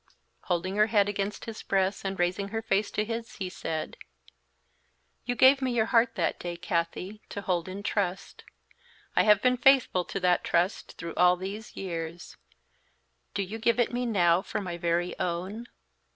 Holding her head against his breast and raising her face to his, he said, "You gave me your heart that day, Kathie, to hold in trust. I have been faithful to that trust through all these years; do you give it me now for my very own?"